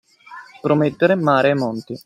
Promettere mare e monti.